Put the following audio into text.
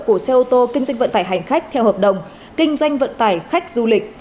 của xe ô tô kinh doanh vận tải hành khách theo hợp đồng kinh doanh vận tải khách du lịch